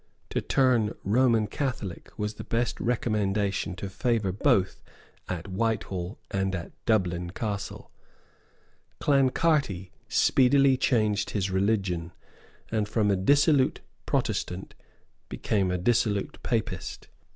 To turn Roman Catholic was the best recommendation to favour both at Whitehall and at Dublin Castle. Clancarty speedily changed his religion, and from a dissolute Protestant became a dissolute Papist.